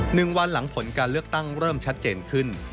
หนึ่งวันหลังผลการเลือกตั้งเริ่มชัดเจนขึ้น